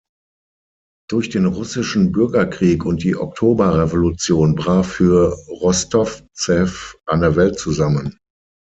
Durch den russischen Bürgerkrieg und die Oktoberrevolution brach für Rostovtzeff eine Welt zusammen.